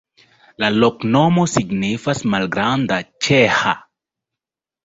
La loknomo signifas: malgranda-ĉeĥa.